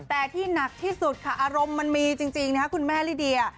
แต่ที่หนักที่สุดค่ะอารมณ์มันมีจริงนะครับคุณแม่ลิเดีย